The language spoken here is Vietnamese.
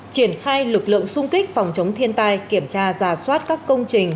triển khai lực lượng sung kích phòng chống thiên tai kiểm tra ra soát các công trình